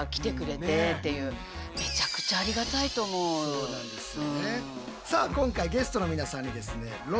そうなんですよ。